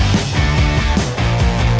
masih ada yang nyesuai